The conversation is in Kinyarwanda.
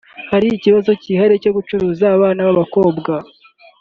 Hari ikibazo cyihariye cyo gucuruza abana b’abakobwa